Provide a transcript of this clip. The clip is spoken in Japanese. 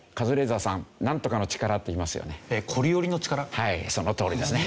はいそのとおりですね。